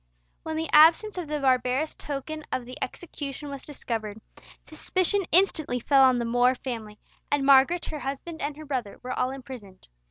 When the absence of the barbarous token of the execution was discovered, suspicion instantly fell on the More family, and Margaret, her husband, and her brother, were all imprisoned.